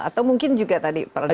atau mungkin juga tadi